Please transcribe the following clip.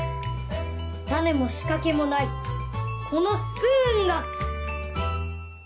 タネも仕掛けもないこのスプーンが！